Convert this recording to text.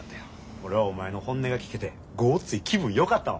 俺はお前の本音が聞けてごっつい気分よかったわ。